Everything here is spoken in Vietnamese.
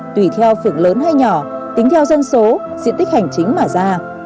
tùy theo phượng lớn hay nhỏ tính theo dân số diện tích hành chính mà ra